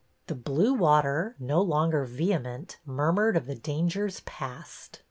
The blue water, no longer vehement, murmured of the dangers passed.